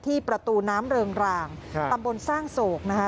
ประตูน้ำเริงรางตำบลสร้างโศกนะคะ